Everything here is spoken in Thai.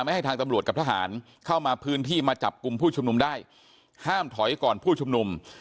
ให้ทางตำรวจกับทหารเข้ามาพื้นที่มาจับกลุ่มผู้ชุมนุมได้ห้ามถอยก่อนผู้ชุมนุม